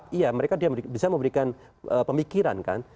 speak up iya mereka bisa memberikan pemikiran kan